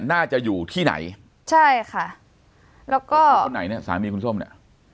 น่าจะอยู่ที่ไหนใช่ค่ะแล้วก็คนไหนเนี่ยสามีคุณส้มเนี่ย